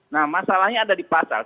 nah masalahnya ada di pasar